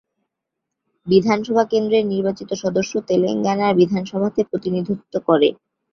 বিধানসভা কেন্দ্রের নির্বাচিত সদস্য তেলেঙ্গানার বিধানসভাতে প্রতিনিধিত্ব করে।